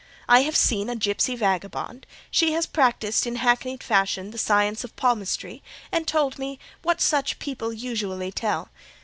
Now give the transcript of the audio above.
I have seen a gipsy vagabond; she has practised in hackneyed fashion the science of palmistry and told me what such people usually tell.